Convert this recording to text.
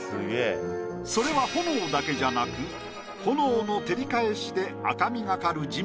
それは炎だけじゃなく炎の照り返しで。